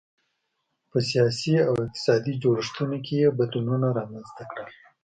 په سیاسي او اقتصادي جوړښتونو کې یې بدلونونه رامنځته کړل.